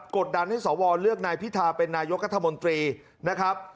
ดดันให้สวเลือกนายพิธาเป็นนายกรัฐมนตรีนะครับ